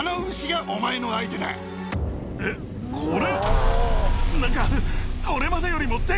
えっこれ？